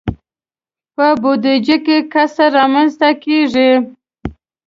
په بودجه کې کسر رامنځته کیږي.